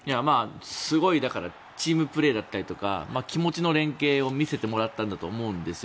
すごいチームプレーだったりとか気持ちの連係を見せてもらったんだと思うんですよ。